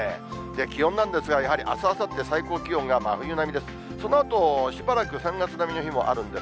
気温なんですが、やはりあす、あさって、最高気温が真冬並みです。